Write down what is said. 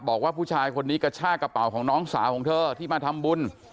บอกว่าผู้ชายคนนี้กระชากระเป๋าของน้องสาวของเธอที่มาทำบุญ